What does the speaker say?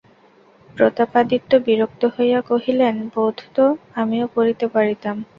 প্রতাপাদিত্য বিরক্ত হইয়া কহিলেন, বোধ তো আমিও করিতে পারিতাম।